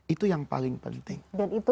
itu yang paling penting